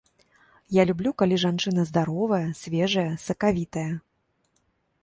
Я люблю, калі жанчына здаровая, свежая, сакавітая.